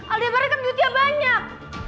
aldebaran kan jutnya banyak